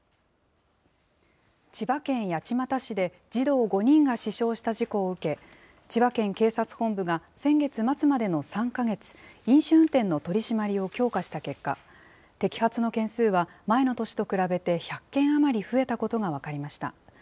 千葉県八街市で児童５人が死傷した事故を受け、千葉県警察本部が先月末までの３か月、飲酒運転の取締りを強化した結果、摘発の件数は、前の年と比べて１００件余り増えたことが分かりました。